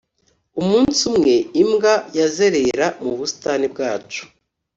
umunsi umwe, imbwa yazerera mu busitani bwacu,